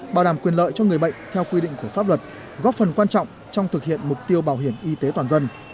bảo đảm quyền lợi cho người bệnh theo quy định của pháp luật góp phần quan trọng trong thực hiện mục tiêu bảo hiểm y tế toàn dân